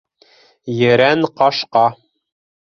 Ерән ҡашҡа